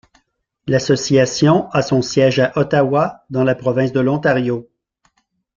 L'association a son siège à Ottawa dans la province de l'Ontario.